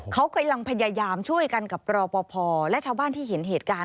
เขากำลังพยายามช่วยกันกับรอปภและชาวบ้านที่เห็นเหตุการณ์